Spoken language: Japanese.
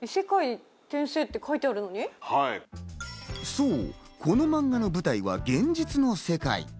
そう、このマンガの舞台は現実の世界。